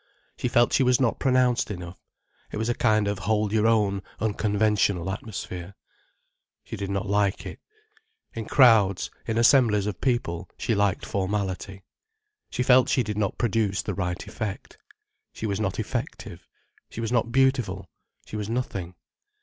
She felt she was not pronounced enough. It was a kind of hold your own unconventional atmosphere. She did not like it. In crowds, in assemblies of people, she liked formality. She felt she did not produce the right effect. She was not effective: she was not beautiful: she was nothing.